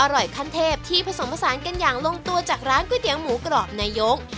อร่อยขั้นเทพที่ผสมผสานกันอย่างลงตัวจากร้านก๋วยเตี๋ยวหมูกรอบนายก